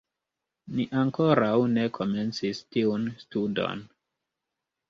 Ni ankoraŭ ne komencis tiun studon.